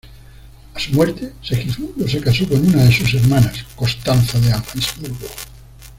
A su muerte, Segismundo se casó con una de sus hermanas, Constanza de Habsburgo.